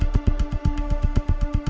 karena kejadian austral wednesday